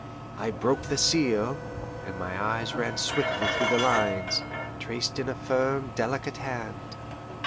I broke the seal, and my eyes ran swiftly through the lines, traced in a firm, delicate hand.